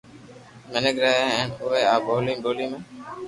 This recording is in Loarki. مينک رھي ھي ھين اووي آ ٻولي ٻولي ھي